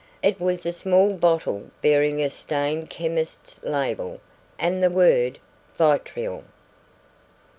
It was a small bottle bearing a stained chemist's label and the word "Vitriol."